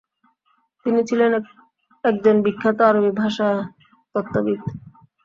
তিনি ছিলেন একজন বিখ্যাত আরবি ভাষাতত্ত্ববিদ।